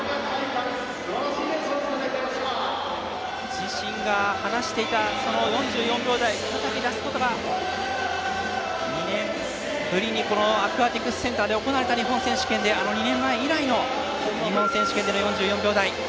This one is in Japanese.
自身が話していた４４秒台を再び出すことが、２年ぶりにアクアティクスセンターで行われた日本選手権で、２年前以来の日本選手権での４４秒台。